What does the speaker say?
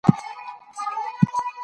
په ټولنه کي د ازاد فکر کولو ملاتړ وکړئ.